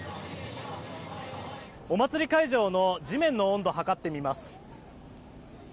お祭り会場の地面の温度を測ってみます。